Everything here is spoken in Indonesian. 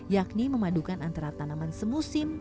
yakni memadukan antara tanaman semusim